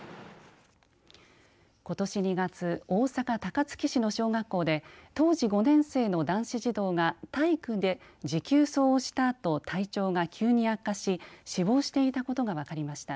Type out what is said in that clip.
ことし２月大阪高槻市の小学校で当時５年生の男子児童が体育で持久走をしたあと体調が急に悪化し死亡していたことが分かりました。